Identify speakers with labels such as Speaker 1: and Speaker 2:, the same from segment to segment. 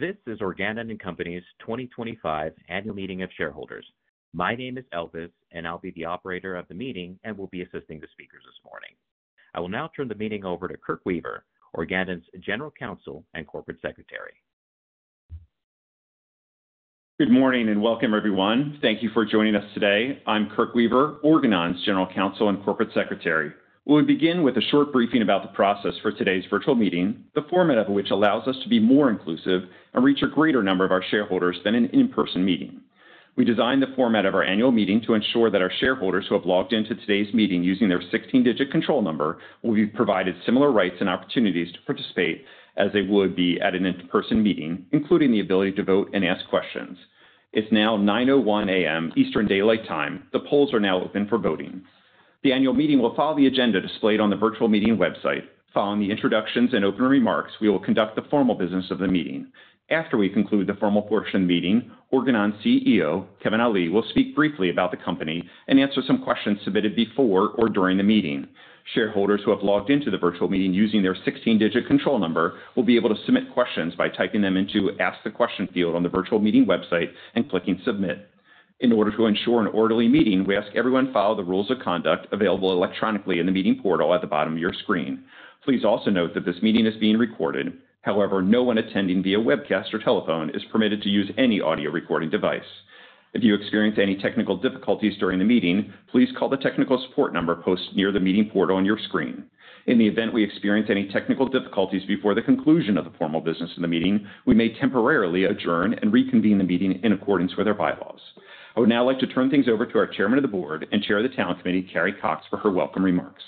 Speaker 1: This is Organon and Company's 2025 Annual Meeting of Shareholders. My name is Elvis, and I'll be the operator of the meeting and will be assisting the speakers this morning. I will now turn the meeting over to Kirke Weaver, Organon's General Counsel and Corporate Secretary.
Speaker 2: Good morning and welcome, everyone. Thank you for joining us today. I'm Kirke Weaver, Organon's General Counsel and Corporate Secretary. We'll begin with a short briefing about the process for today's virtual meeting, the format of which allows us to be more inclusive and reach a greater number of our shareholders than an in-person meeting. We designed the format of our annual meeting to ensure that our shareholders who have logged into today's meeting using their 16-digit control number will be provided similar rights and opportunities to participate as they would be at an in-person meeting, including the ability to vote and ask questions. It's now 9:01 A.M. Eastern Daylight Time. The polls are now open for voting. The annual meeting will follow the agenda displayed on the virtual meeting website. Following the introductions and open remarks, we will conduct the formal business of the meeting. After we conclude the formal portion of the meeting, Organon CEO Kevin Ali will speak briefly about the company and answer some questions submitted before or during the meeting. Shareholders who have logged into the virtual meeting using their 16-digit control number will be able to submit questions by typing them into the Ask the Question field on the virtual meeting website and clicking Submit. In order to ensure an orderly meeting, we ask everyone to follow the rules of conduct available electronically in the meeting portal at the bottom of your screen. Please also note that this meeting is being recorded. However, no one attending via webcast or telephone is permitted to use any audio recording device. If you experience any technical difficulties during the meeting, please call the technical support number posted near the meeting portal on your screen. In the event we experience any technical difficulties before the conclusion of the formal business of the meeting, we may temporarily adjourn and reconvene the meeting in accordance with our bylaws. I would now like to turn things over to our Chairman of the Board and Chair of the Talent Committee, Carrie Cox, for her welcome remarks.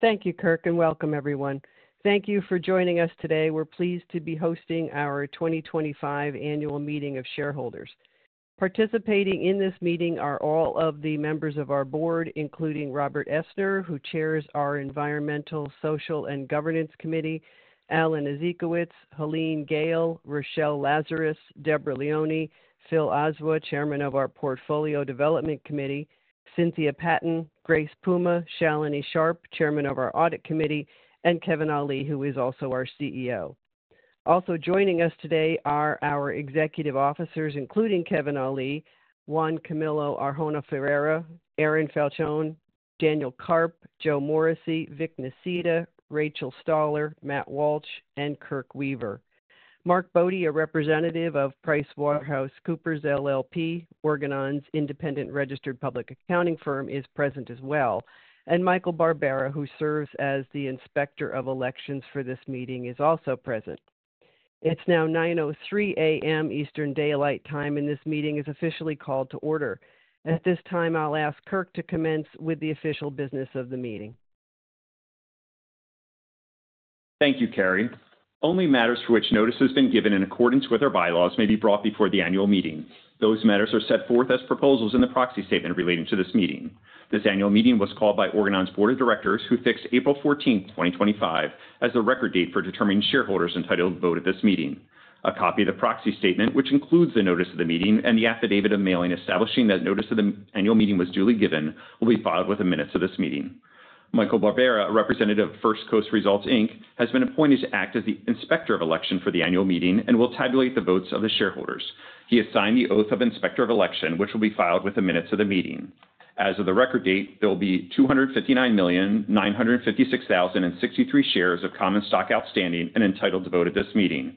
Speaker 3: Thank you, Kirke, and welcome, everyone. Thank you for joining us today. We're pleased to be hosting our 2025 Annual Meeting of Shareholders. Participating in this meeting are all of the members of our board, including Robert Essner, who chairs our Environmental, Social, and Governance Committee; Alan Ezekowitz; Helene Gayle; Shelly Lazarus; Deborah Leone; Philip Ozuah, Chairman of our Portfolio Development Committee; Cynthia Patton; Grace Puma; Shalini Sharp, Chairman of our Audit Committee; and Kevin Ali, who is also our CEO. Also joining us today are our executive officers, including Kevin Ali, Juan Camilo Arjona Ferreira, Aaron Falcione, Daniel Karp, Joe Morrissey, Vit Nisita, Rachel Stuhler, Matt Walsh, and Kirke Weaver. Mark Bode, a representative of PricewaterhouseCoopers LLP, Organon's independent registered public accounting firm, is present as well. Michael Barbera, who serves as the inspector of elections for this meeting, is also present. It's now 9:03 A.M. Eastern Daylight Time, and this meeting is officially called to order. At this time, I'll ask Kirke to commence with the official business of the meeting.
Speaker 2: Thank you, Carrie. Only matters for which notice has been given in accordance with our bylaws may be brought before the annual meeting. Those matters are set forth as proposals in the proxy statement relating to this meeting. This annual meeting was called by Organon's board of directors, who fixed April 14, 2025, as the record date for determining shareholders entitled to vote at this meeting. A copy of the proxy statement, which includes the notice of the meeting and the affidavit of mailing establishing that notice of the annual meeting was duly given, will be filed within minutes of this meeting. Michael Barbera, a representative of First Coast Results Inc., has been appointed to act as the inspector of election for the annual meeting and will tabulate the votes of the shareholders. He has signed the oath of inspector of election, which will be filed within minutes of the meeting. As of the record date, there will be 259,956,063 shares of common stock outstanding and entitled to vote at this meeting.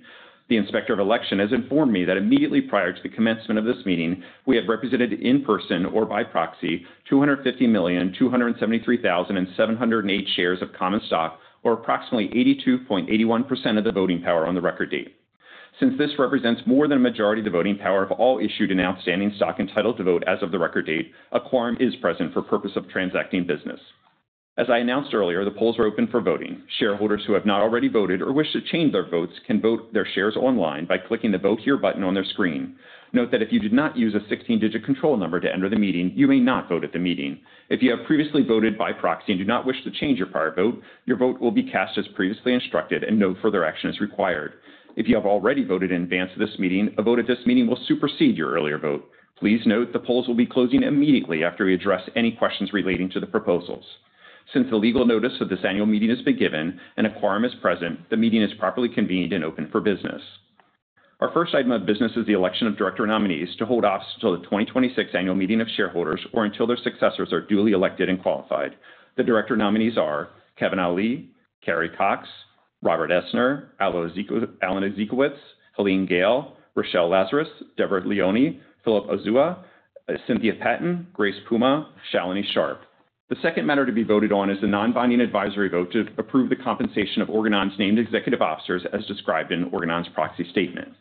Speaker 2: The inspector of election has informed me that immediately prior to the commencement of this meeting, we have represented in person or by proxy 250,273,708 shares of common stock, or approximately 82.81% of the voting power on the record date. Since this represents more than a majority of the voting power of all issued and outstanding stock entitled to vote as of the record date, a quorum is present for purpose of transacting business. As I announced earlier, the polls are open for voting. Shareholders who have not already voted or wish to change their votes can vote their shares online by clicking the Vote Here button on their screen. Note that if you did not use a 16-digit control number to enter the meeting, you may not vote at the meeting. If you have previously voted by proxy and do not wish to change your prior vote, your vote will be cast as previously instructed and no further action is required. If you have already voted in advance of this meeting, a vote at this meeting will supersede your earlier vote. Please note the polls will be closing immediately after we address any questions relating to the proposals. Since the legal notice of this annual meeting has been given and a quorum is present, the meeting is properly convened and open for business. Our first item of business is the election of director nominees to hold off until the 2026 Annual Meeting of Shareholders or until their successors are duly elected and qualified. The director nominees are Kevin Ali, Carrie Cox, Robert Essner, Alan Ezekowitz, Helene Gayle, Shelly Lazarus, Deborah Leone, Philip Ozuah, Cynthia Patton, Grace Puma, Shalini Sharp. The second matter to be voted on is the non-binding advisory vote to approve the compensation of Organon's named executive officers as described in Organon's proxy statement.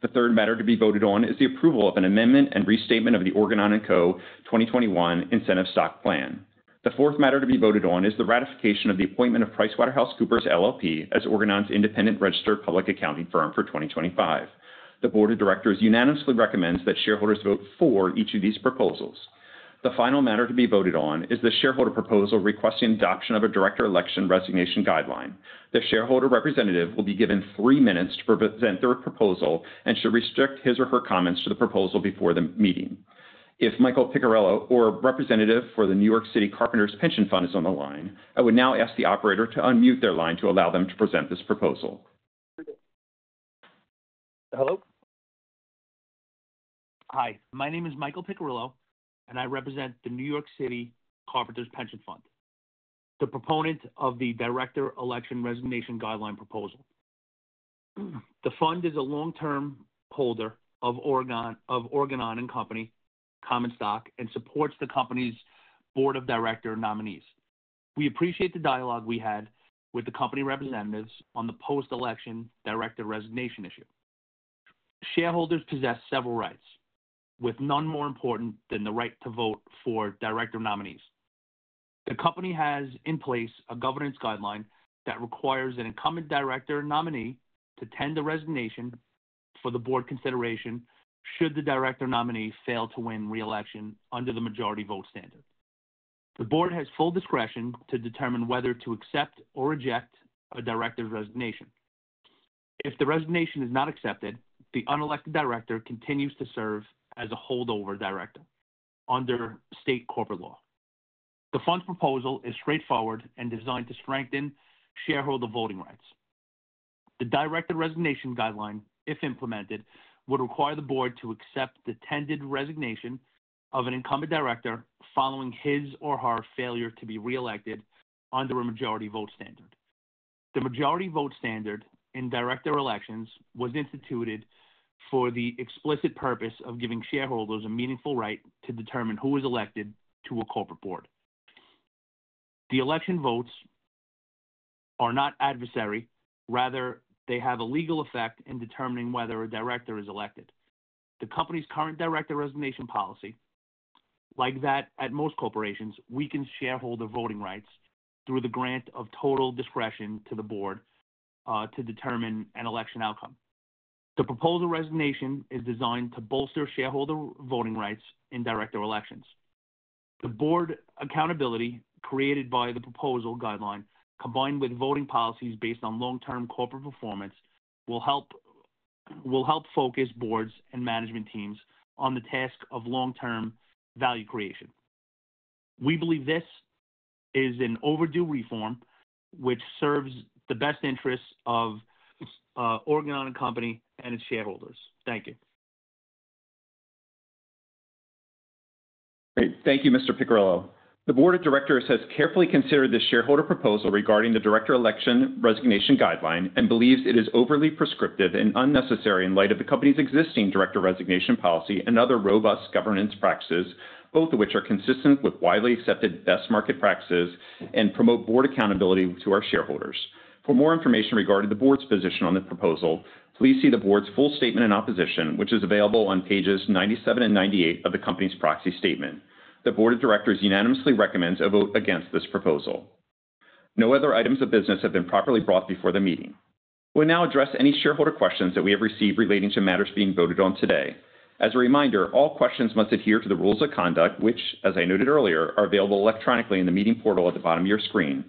Speaker 2: The third matter to be voted on is the approval of an amendment and restatement of the Organon & Co. 2021 Incentive Stock Plan. The fourth matter to be voted on is the ratification of the appointment of PricewaterhouseCoopers LLP as Organon's independent registered public accounting firm for 2025. The board of directors unanimously recommends that shareholders vote for each of these proposals. The final matter to be voted on is the shareholder proposal requesting adoption of a director election resignation guideline. The shareholder representative will be given three minutes to present their proposal and should restrict his or her comments to the proposal before the meeting. If Michael Piccirrillo or a representative for the New York City Carpenters Pension Fund is on the line, I would now ask the operator to unmute their line to allow them to present this proposal.
Speaker 4: Hello? Hi. My name is Michael Piccirrillo and I represent the New York City Carpenters Pension Fund, the proponent of the director election resignation guideline proposal. The fund is a long-term holder of Organon and Company common stock and supports the company's board of director nominees. We appreciate the dialogue we had with the company representatives on the post-election director resignation issue. Shareholders possess several rights, with none more important than the right to vote for director nominees. The company has in place a governance guideline that requires an incumbent director nominee to tender the resignation for the board consideration should the director nominee fail to win reelection under the majority vote standard. The board has full discretion to determine whether to accept or reject a director's resignation. If the resignation is not accepted, the unelected director continues to serve as a holdover director under state corporate law. The fund's proposal is straightforward and designed to strengthen shareholder voting rights. The director resignation guideline, if implemented, would require the board to accept the tendered resignation of an incumbent director following his or her failure to be reelected under a majority vote standard. The majority vote standard in director elections was instituted for the explicit purpose of giving shareholders a meaningful right to determine who is elected to a corporate board. The election votes are not adversary, rather, they have a legal effect in determining whether a director is elected. The company's current director resignation policy, like that at most corporations, weakens shareholder voting rights through the grant of total discretion to the board to determine an election outcome. The proposal resignation is designed to bolster shareholder voting rights in director elections. The board accountability created by the proposal guideline, combined with voting policies based on long-term corporate performance, will help focus boards and management teams on the task of long-term value creation. We believe this is an overdue reform which serves the best interests of Organon and its shareholders. Thank you.
Speaker 2: Great. Thank you, Mr. Piccirillo. The board of directors has carefully considered the shareholder proposal regarding the director election resignation guideline and believes it is overly prescriptive and unnecessary in light of the company's existing director resignation policy and other robust governance practices, both of which are consistent with widely accepted best market practices and promote board accountability to our shareholders. For more information regarding the board's position on the proposal, please see the board's full statement and opposition, which is available on pages 97 and 98 of the company's proxy statement. The board of directors unanimously recommends a vote against this proposal. No other items of business have been properly brought before the meeting. We'll now address any shareholder questions that we have received relating to matters being voted on today. As a reminder, all questions must adhere to the rules of conduct, which, as I noted earlier, are available electronically in the meeting portal at the bottom of your screen.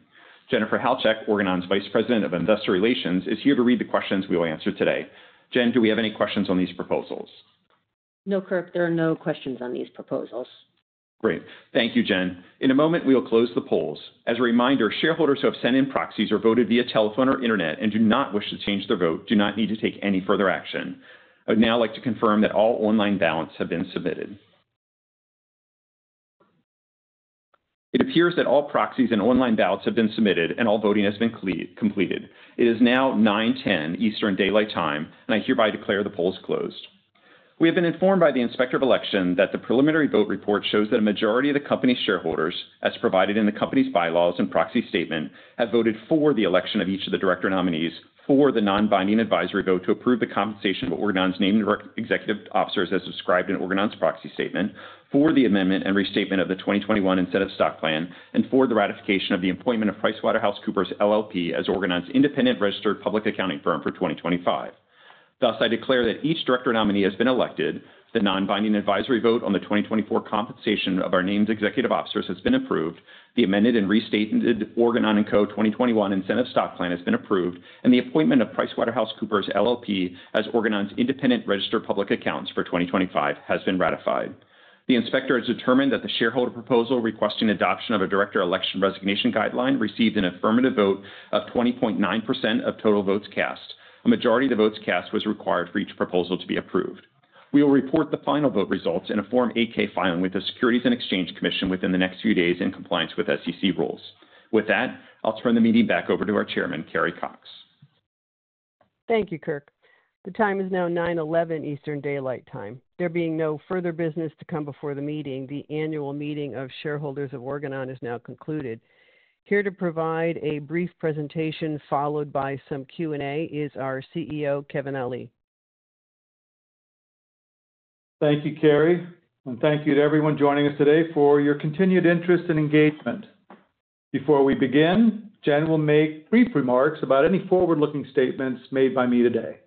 Speaker 2: Jennifer Halchak, Organon's Vice President of Investor Relations, is here to read the questions we will answer today. Jen, do we have any questions on these proposals?
Speaker 5: No, Kirke. There are no questions on these proposals.
Speaker 2: Great. Thank you, Jen. In a moment, we will close the polls. As a reminder, shareholders who have sent in proxies or voted via telephone or internet and do not wish to change their vote do not need to take any further action. I would now like to confirm that all online ballots have been submitted. It appears that all proxies and online ballots have been submitted and all voting has been completed. It is now 9:10 A.M. Eastern Daylight Time, and I hereby declare the polls closed. We have been informed by the inspector of election that the preliminary vote report shows that a majority of the company's shareholders, as provided in the company's bylaws and proxy statement, have voted for the election of each of the director nominees, for the non-binding advisory vote to approve the compensation of Organon's named executive officers as described in Organon's proxy statement, for the amendment and restatement of the 2021 Incentive Stock Plan, and for the ratification of the appointment of PricewaterhouseCoopers LLP as Organon's independent registered public accounting firm for 2025. Thus, I declare that each director nominee has been elected, the non-binding advisory vote on the 2024 compensation of our named executive officers has been approved, the amended and restated Organon & Co. 2021 Incentive Stock Plan has been approved, and the appointment of PricewaterhouseCoopers LLP as Organon's independent registered public accountants for 2025 has been ratified. The inspector has determined that the shareholder proposal requesting adoption of a director election resignation guideline received an affirmative vote of 20.9% of total votes cast. A majority of the votes cast was required for each proposal to be approved. We will report the final vote results in a Form 8-K filing with the U.S. Securities and Exchange Commission within the next few days in compliance with SEC rules. With that, I'll turn the meeting back over to our Chairman, Carrie Cox.
Speaker 3: Thank you, Kirke. The time is now 9:11 A.M. Eastern Daylight Time. There being no further business to come before the meeting, the annual meeting of shareholders of Organon is now concluded. Here to provide a brief presentation followed by some Q&A is our CEO, Kevin Ali.
Speaker 6: Thank you, Carrie. Thank you to everyone joining us today for your continued interest and engagement. Before we begin, Jen will make brief remarks about any forward-looking statements made by me today.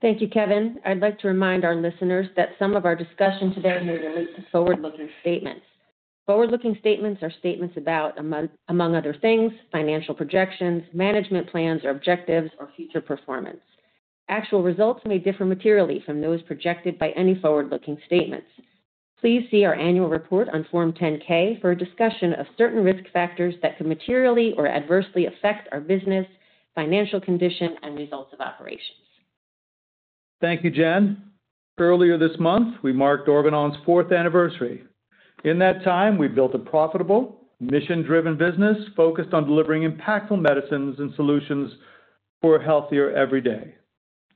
Speaker 5: Thank you, Kevin. I'd like to remind our listeners that some of our discussion today may relate to forward-looking statements. Forward-looking statements are statements about, among other things, financial projections, management plans or objectives, or future performance. Actual results may differ materially from those projected by any forward-looking statements. Please see our annual report on Form 10-K for a discussion of certain risk factors that could materially or adversely affect our business, financial condition, and results of operations.
Speaker 6: Thank you, Jen. Earlier this month, we marked Organon's fourth anniversary. In that time, we built a profitable, mission-driven business focused on delivering impactful medicines and solutions for a healthier everyday.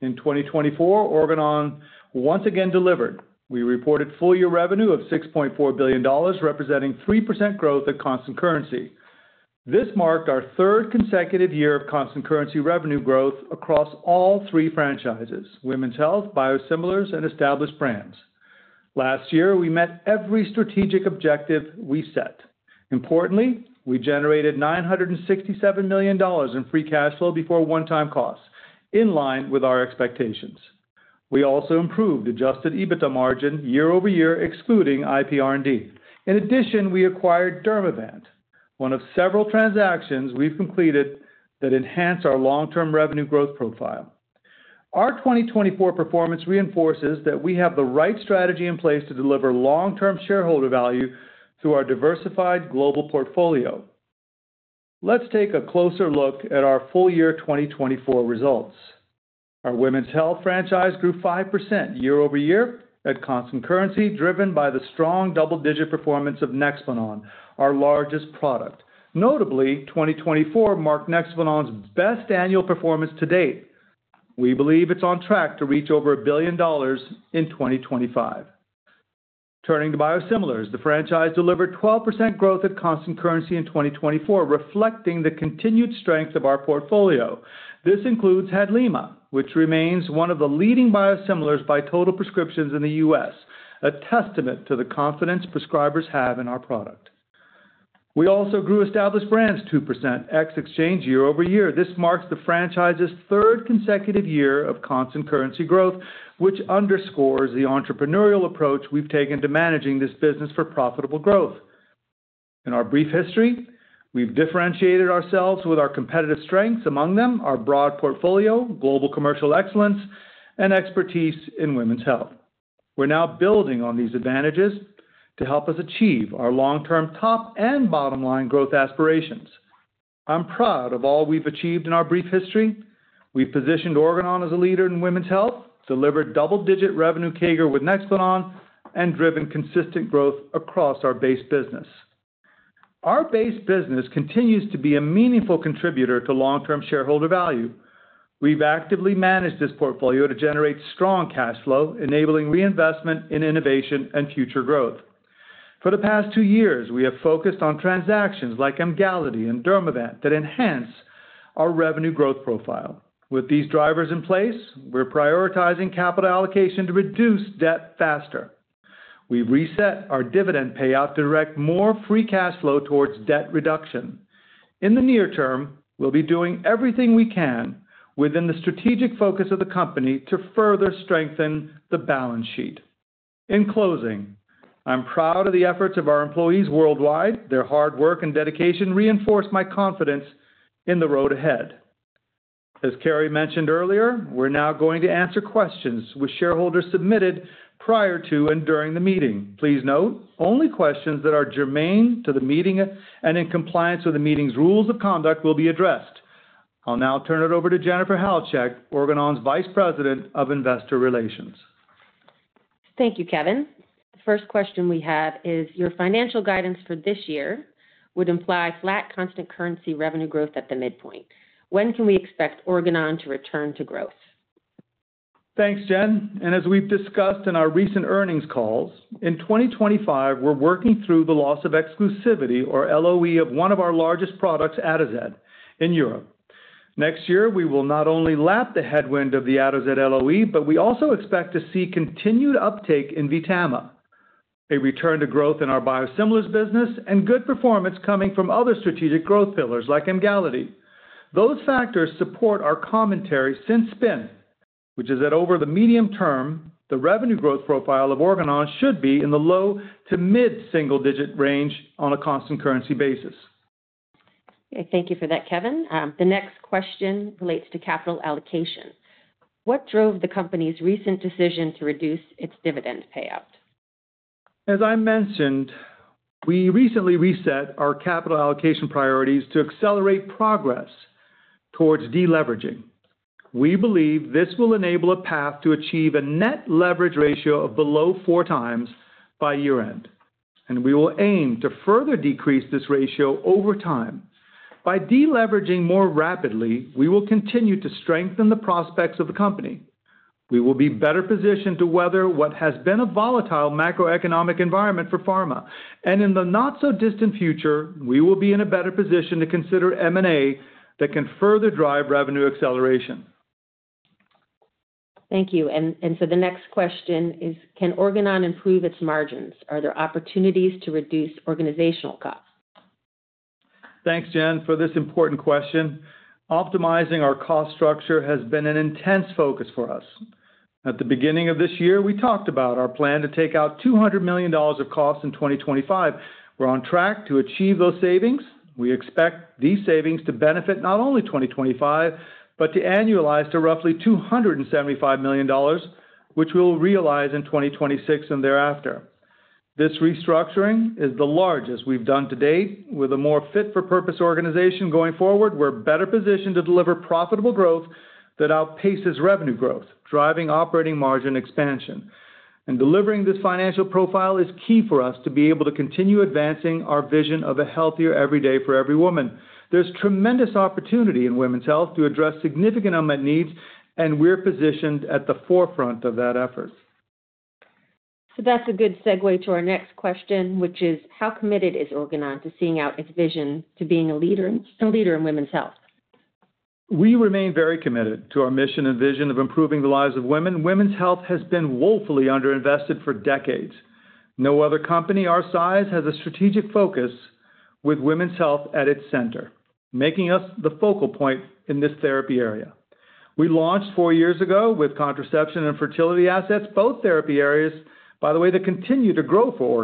Speaker 6: In 2024, Organon once again delivered. We reported full-year revenue of $6.4 billion, representing 3% growth at constant currency. This marked our third consecutive year of constant currency revenue growth across all three franchises: women's health, biosimilars, and established brands. Last year, we met every strategic objective we set. Importantly, we generated $967 million in free cash flow before one-time costs, in line with our expectations. We also improved adjusted EBITDA margin year-over-year, excluding IPR&D. In addition, we acquired Dermavant, one of several transactions we've completed that enhance our long-term revenue growth profile. Our 2024 performance reinforces that we have the right strategy in place to deliver long-term shareholder value through our diversified global portfolio. Let's take a closer look at our full-year 2024 results. Our women's health franchise grew 5% year-over-year at constant currency, driven by the strong double-digit performance of Nexplanon, our largest product. Notably, 2024 marked Nexplanon's best annual performance to date. We believe it's on track to reach over $1 billion in 2025. Turning to biosimilars, the franchise delivered 12% growth at constant currency in 2024, reflecting the continued strength of our portfolio. This includes Hadlima, which remains one of the leading biosimilars by total prescriptions in the U.S., a testament to the confidence prescribers have in our product. We also grew established brands 2% year-over-year at exchange. This marks the franchise's third consecutive year of constant currency growth, which underscores the entrepreneurial approach we've taken to managing this business for profitable growth. In our brief history, we've differentiated ourselves with our competitive strengths, among them our broad portfolio, global commercial excellence, and expertise in women's health. We're now building on these advantages to help us achieve our long-term top and bottom-line growth aspirations. I'm proud of all we've achieved in our brief history. We've positioned Organon as a leader in women's health, delivered double-digit revenue CAGR with Nexplanon, and driven consistent growth across our base business. Our base business continues to be a meaningful contributor to long-term shareholder value. We've actively managed this portfolio to generate strong cash flow, enabling reinvestment in innovation and future growth. For the past two years, we have focused on transactions like Emgality and Dermavant that enhance our revenue growth profile. With these drivers in place, we're prioritizing capital allocation to reduce debt faster. We've reset our dividend payout to direct more free cash flow towards debt reduction. In the near term, we'll be doing everything we can within the strategic focus of the company to further strengthen the balance sheet. In closing, I'm proud of the efforts of our employees worldwide. Their hard work and dedication reinforce my confidence in the road ahead. As Carrie mentioned earlier, we're now going to answer questions with shareholders submitted prior to and during the meeting. Please note, only questions that are germane to the meeting and in compliance with the meeting's rules of conduct will be addressed. I'll now turn it over to Jennifer Halchak, Organon's Vice President of Investor Relations.
Speaker 5: Thank you, Kevin. The first question we have is, your financial guidance for this year would imply flat constant currency revenue growth at the midpoint. When can we expect Organon to return to growth?
Speaker 6: Thanks, Jen. As we've discussed in our recent earnings calls, in 2025, we're working through the loss of exclusivity, or LOE, of one of our largest products, Atozet in Europe. Next year, we will not only lap the headwind of the Atozet LOE, but we also expect to see continued uptake in VTAMA, a return to growth in our biosimilars business, and good performance coming from other strategic growth pillars like Emgality. Those factors support our commentary since spin, which is that over the medium term, the revenue growth profile of Organon should be in the low to mid single-digit range on a constant currency basis.
Speaker 5: Thank you for that, Kevin. The next question relates to capital allocation. What drove the company's recent decision to reduce its dividend payout?
Speaker 6: As I mentioned, we recently reset our capital allocation priorities to accelerate progress towards deleveraging. We believe this will enable a path to achieve a net leverage ratio of below 4x by year-end, and we will aim to further decrease this ratio over time. By deleveraging more rapidly, we will continue to strengthen the prospects of the company. We will be better positioned to weather what has been a volatile macroeconomic environment for pharma. In the not-so-distant future, we will be in a better position to consider M&A that can further drive revenue acceleration.
Speaker 5: Thank you. The next question is, can Organon improve its margins? Are there opportunities to reduce organizational costs?
Speaker 6: Thanks, Jen, for this important question. Optimizing our cost structure has been an intense focus for us. At the beginning of this year, we talked about our plan to take out $200 million of costs in 2025. We're on track to achieve those savings. We expect these savings to benefit not only 2025, but to annualize to roughly $275 million, which we'll realize in 2026 and thereafter. This restructuring is the largest we've done to date. With a more fit-for-purpose organization going forward, we're better positioned to deliver profitable growth that outpaces revenue growth, driving operating margin expansion. Delivering this financial profile is key for us to be able to continue advancing our vision of a healthier every day for every woman. There's tremendous opportunity in women's health to address significant unmet needs, and we're positioned at the forefront of that effort.
Speaker 5: That's a good segue to our next question, which is, how committed is Organon to seeing out its vision to being a leader in women's health?
Speaker 6: We remain very committed to our mission and vision of improving the lives of women. Women's health has been woefully underinvested for decades. No other company our size has a strategic focus with women's health at its center, making us the focal point in this therapy area. We launched four years ago with contraception and fertility assets, both therapy areas, by the way, that continue to grow for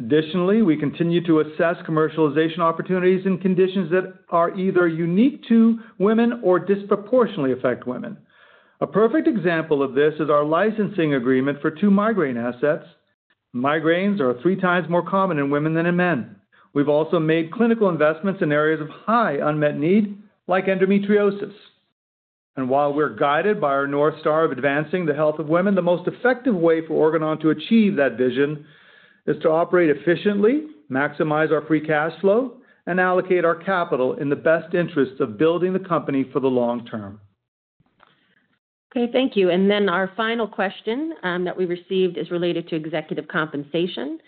Speaker 6: Organon. Additionally, we continue to assess commercialization opportunities and conditions that are either unique to women or disproportionately affect women. A perfect example of this is our licensing agreement for two migraine assets. Migraines are 3x more common in women than in men. We've also made clinical investments in areas of high unmet need, like endometriosis. While we are guided by our North Star of advancing the health of women, the most effective way for Organon to achieve that vision is to operate efficiently, maximize our free cash flow, and allocate our capital in the best interests of building the company for the long term.
Speaker 5: Okay, thank you. Our final question that we received is related to executive compensation.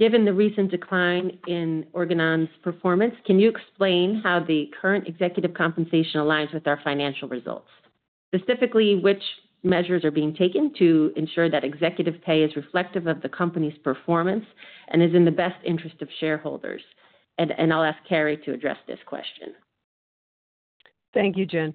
Speaker 5: Given the recent decline in Organon's performance, can you explain how the current executive compensation aligns with our financial results? Specifically, which measures are being taken to ensure that executive pay is reflective of the company's performance and is in the best interest of shareholders? I'll ask Carrie to address this question.
Speaker 3: Thank you, Jen.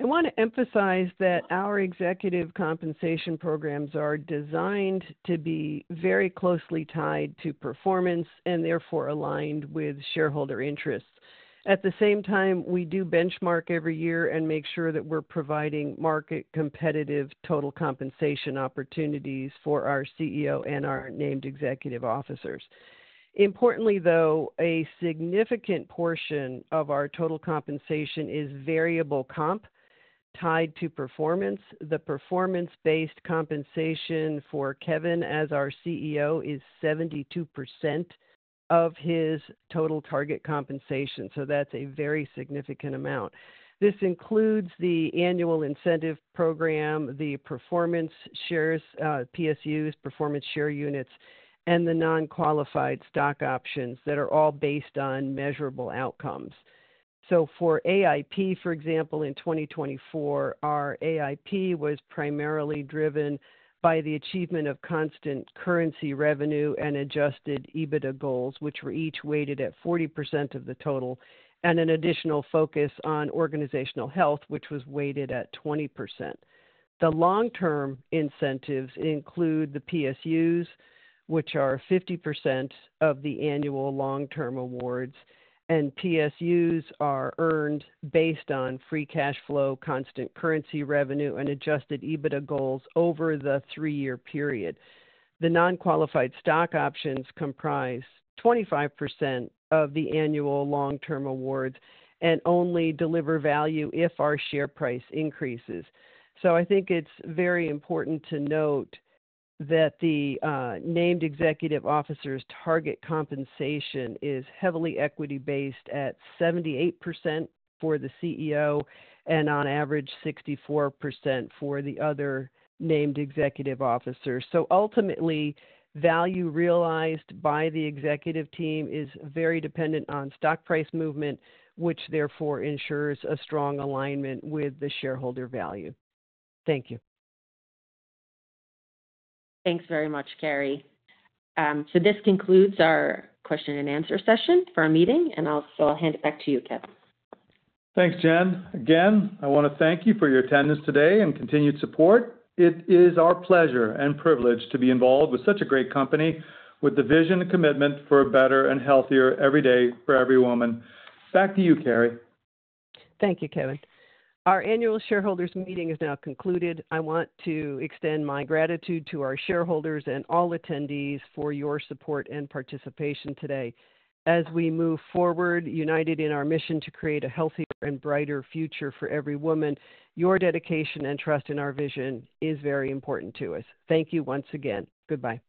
Speaker 3: I want to emphasize that our executive compensation programs are designed to be very closely tied to performance and therefore aligned with shareholder interests. At the same time, we do benchmark every year and make sure that we're providing market-competitive total compensation opportunities for our CEO and our named executive officers. Importantly, though, a significant portion of our total compensation is variable comp tied to performance. The performance-based compensation for Kevin as our CEO is 72% of his total target compensation. That's a very significant amount. This includes the annual incentive program, the performance shares, PSUs, performance share units, and the non-qualified stock options that are all based on measurable outcomes. For AIP, for example, in 2024, our AIP was primarily driven by the achievement of constant currency revenue and adjusted EBITDA goals, which were each weighted at 40% of the total, and an additional focus on organizational health, which was weighted at 20%. The long-term incentives include the PSUs, which are 50% of the annual long-term awards, and PSUs are earned based on free cash flow, constant currency revenue, and adjusted EBITDA goals over the three-year period. The non-qualified stock options comprise 25% of the annual long-term awards and only deliver value if our share price increases. I think it is very important to note that the named executive officer's target compensation is heavily equity-based at 78% for the CEO and on average 64% for the other named executive officers. Ultimately, value realized by the executive team is very dependent on stock price movement, which therefore ensures a strong alignment with the shareholder value. Thank you.
Speaker 5: Thanks very much, Carrie. This concludes our question and answer session for our meeting, and I'll hand it back to you, Kevin.
Speaker 6: Thanks, Jen. Again, I want to thank you for your attendance today and continued support. It is our pleasure and privilege to be involved with such a great company with the vision and commitment for a better and healthier every day for every woman. Back to you, Carrie.
Speaker 3: Thank you, Kevin. Our annual shareholders meeting is now concluded. I want to extend my gratitude to our shareholders and all attendees for your support and participation today. As we move forward, united in our mission to create a healthier and brighter future for every woman, your dedication and trust in our vision is very important to us. Thank you once again. Goodbye.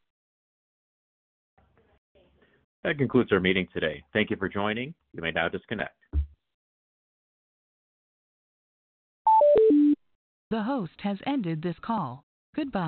Speaker 1: That concludes our meeting today. Thank you for joining. You may now disconnect.
Speaker 7: The host has ended this call. Goodbye.